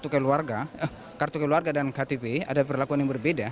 kartu keluarga dan ktp ada perlakuan yang berbeda